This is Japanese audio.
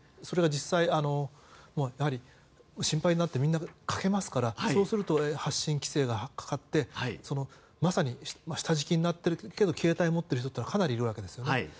それは実際、心配になってみんなかけますから発信規制がかかって下敷きになっているけど携帯を持っている人はかなりいるわけですよね。